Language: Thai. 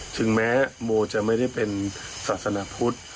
ถึงแม้โมจะไม่ได้เป็นศาสนาพุทธ